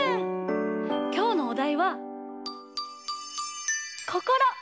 きょうのおだいは「こころ」！